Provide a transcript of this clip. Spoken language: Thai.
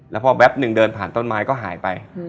แล้วพอแป๊บหนึ่งเดินผ่านต้นไม้ก็หายไป